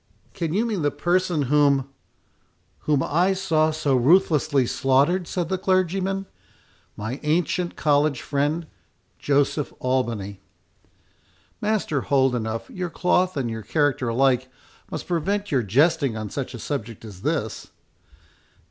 "Can you mean the person whom"— "Whom I saw so ruthlessly slaughtered," said the clergyman—"My ancient college friend—Joseph Albany." "Master Holdenough, your cloth and your character alike must prevent your jesting on such a subject as this."